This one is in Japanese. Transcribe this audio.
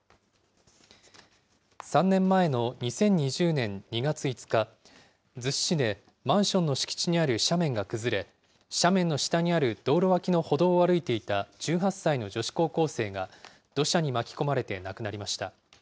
３年前の２０２０年２月５日、逗子市でマンションの敷地にある斜面が崩れ、斜面の下にある道路脇の歩道を歩いていた１８歳の女子高校生が、土砂に巻き込まれて亡くなりました。